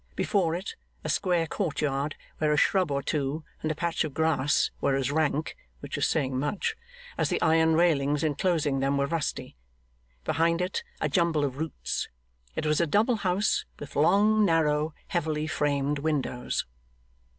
Before it, a square court yard where a shrub or two and a patch of grass were as rank (which is saying much) as the iron railings enclosing them were rusty; behind it, a jumble of roots. It was a double house, with long, narrow, heavily framed windows.